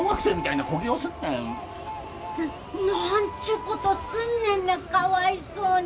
な何ちゅうことすんねんなかわいそうに。